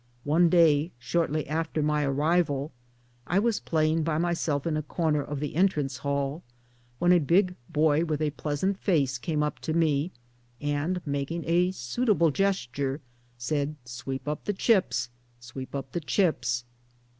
One day, shortly after my arrival, I was playing by myself in a corner of the entrance hall, when a big boy with a pleasant face came up to me and, making a suitable gesture, said, " Sweep up the Chips, sweep up the Chips."